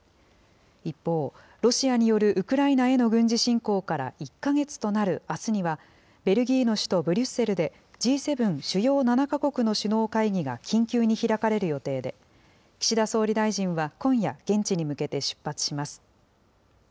一方、ロシアによるウクライナへの軍事侵攻から１か月となるあすには、ベルギーの首都ブリュッセルで、Ｇ７・主要７か国の首脳会議が緊急に開かれる予定で、岸田総理大臣は今夜、現地に向けて出発します。